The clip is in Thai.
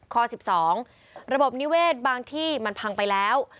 ข้อ๑๒ระบบนิเวศบางที่มันพังไปแล้ว